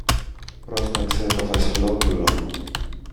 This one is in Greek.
πρόσταξε το Βασιλόπουλο.